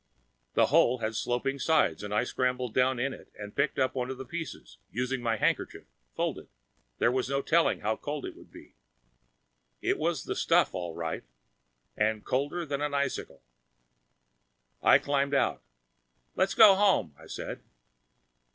The hole had sloping sides and I scrambled down in it and picked up one of the pieces, using my handkerchief, folded there was no telling just how cold it would be. It was the stuff, all right. And colder than an icicle. I climbed out. "Let's go home," I said.